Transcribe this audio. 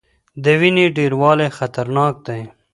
د وینې ډیروالی خطرناک دی.